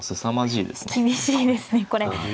厳しいですねこれ。